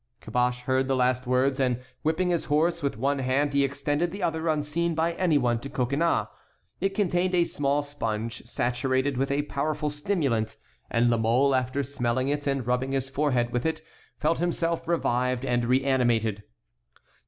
Caboche heard the last words and whipping his horse with one hand he extended the other, unseen by any one, to Coconnas. It contained a small sponge saturated with a powerful stimulant, and La Mole, after smelling it and rubbing his forehead with it, felt himself revived and reanimated.